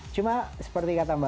cuma seperti kata mbak